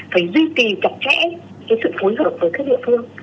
phải duy trì chặt chẽ sự phối hợp với các địa phương